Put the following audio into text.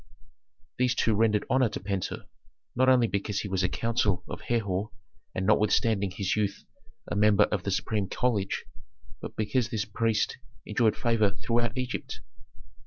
These two rendered honor to Pentuer, not only because he was a counsellor of Herhor and notwithstanding his youth a member of the supreme college, but because this priest enjoyed favor throughout Egypt.